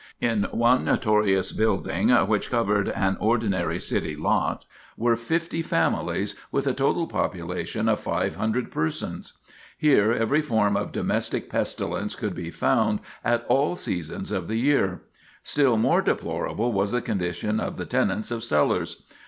In one notorious building, which covered an ordinary city lot, were fifty families, with a total population of five hundred persons. Here every form of domestic pestilence could be found at all seasons of the year. Still more deplorable was the condition of the tenants of cellars.